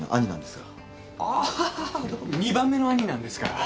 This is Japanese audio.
２番目の兄なんですが。